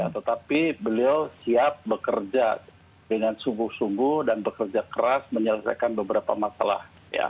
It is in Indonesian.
tetapi beliau siap bekerja dengan sungguh sungguh dan bekerja keras menyelesaikan beberapa masalah